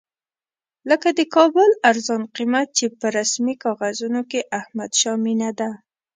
لکه د کابل ارزان قیمت چې په رسمي کاغذونو کې احمدشاه مېنه ده.